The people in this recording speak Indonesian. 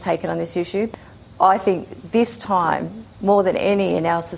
saya pikir saat ini lebih dari semua di masyarakat kita